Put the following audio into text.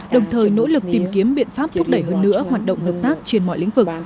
đồng thời nỗ lực tìm kiếm biện pháp thúc đẩy hơn nữa hoạt động hợp tác trên mọi lĩnh vực